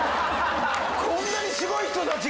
こんなにすごい人たちが！